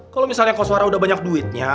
kalau misalnya suara udah banyak duitnya